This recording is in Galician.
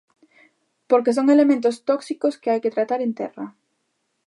Porque son elementos tóxicos que hai que tratar en terra.